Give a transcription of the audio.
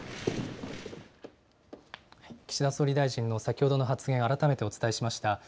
岸田総理大臣の先ほどの発言、改めてお伝えしました。